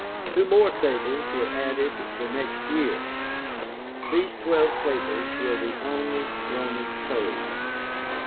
Two more tables were added the next year. These TWELVE TABLES were the only Roman code.